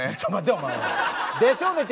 お前「でしょうね」って